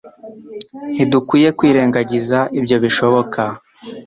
Ntidukwiye kwirengagiza ibyo bishoboka